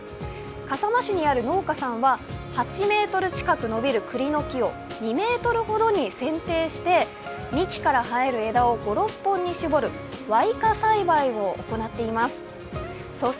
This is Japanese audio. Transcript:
笠間市にある農家産は、８ｍ近く伸びる栗の木をくりの木を２ｍほどに選定して、幹から生える枝を５６本に絞る矮化栽培を行っています。